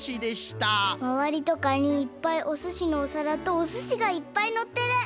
まわりとかにいっぱいおすしのおさらとおすしがいっぱいのってる！